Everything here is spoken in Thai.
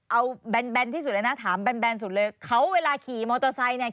เอาแบนที่สุดเลยนะถามแนนสุดเลยเขาเวลาขี่มอเตอร์ไซค์เนี่ย